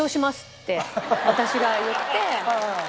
って私が言って。